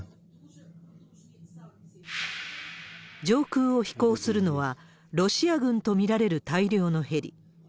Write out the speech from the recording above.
上空を飛行するのは、ロシア軍と見られる大量のヘリ。